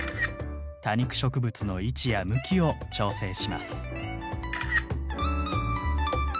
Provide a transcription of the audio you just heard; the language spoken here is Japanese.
多肉植物の位置や向きを調整します。